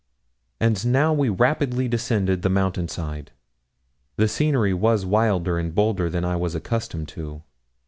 And now we rapidly descended the mountain side. The scenery was wilder and bolder than I was accustomed to.